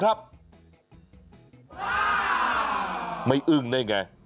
ไม่ตะลึงได้ไง